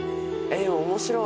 面白い。